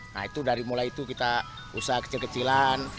nah itu dari mulai itu kita usaha kecil kecilan